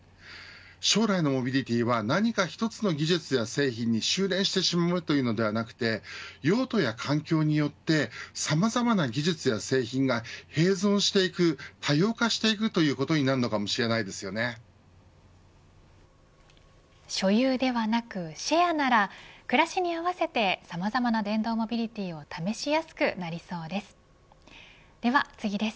将来のモビリティは何か一つの技術や製品に収れんするのではなくて用途や環境によってさまざまな技術や製品が併存していく多様化していくということに所有ではなくシェアなら暮らしに合わせてさまざまな電動モビリティを試しやすくなりそうです。